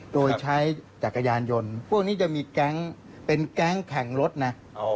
โดยใช้จักรยานยนต์พวกนี้จะมีแก๊งเป็นแก๊งแข่งรถนะ